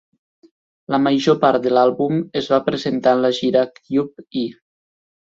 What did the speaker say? La major part de l'àlbum es va presentar en la gira Cube-E.